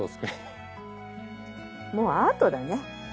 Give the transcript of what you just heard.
もうアートだね。